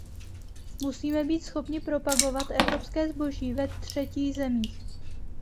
Musíme být schopni propagovat evropské zboží ve třetích zemích.